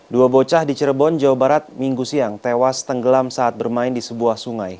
dua bocah di cirebon jawa barat minggu siang tewas tenggelam saat bermain di sebuah sungai